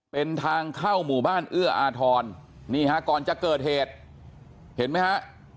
เป็นทางเข้าหมู่บ้านเอื้ออาทรนี่ฮะก่อนจะเกิดเหตุเห็นไหมฮะ